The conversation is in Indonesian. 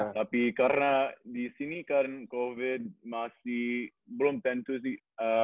tapi karena di sini kan covid masih belum tentu sih